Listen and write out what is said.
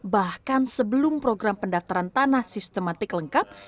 bahkan sebelum program pendaftaran tanah sistematik lengkap